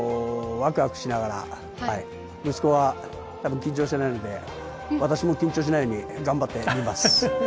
ワクワクしながら、息子が緊張していないので私も緊張しないように頑張ってみます。